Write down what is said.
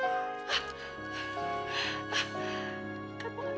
kamu sudah ingat